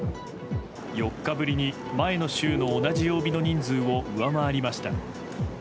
４日ぶりに前の週の同じ曜日の人数を上回りました。